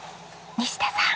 西田さん！